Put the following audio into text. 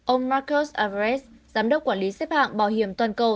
ông marcos avres giám đốc quản lý xếp hạng bảo hiểm toàn cầu